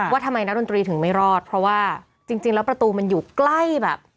ว่าทำไมนักดนตรีถึงไม่รอดเพราะว่าจริงแล้วประตูมันอยู่ใกล้แบบ